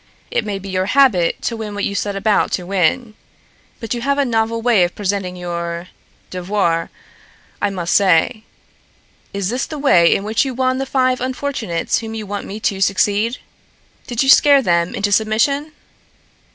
It may be your habit to win what you set about to win. But you have a novel way of presenting your devoire, I must say. Is this the way in which you won the five unfortunates whom you want me to succeed? Did you scare them into submission?"